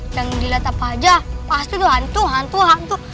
dan dilihat apa aja pasti tuh hantu hantu hantu